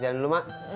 jaga dulu mak